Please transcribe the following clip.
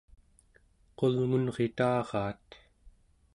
qulngunritaraat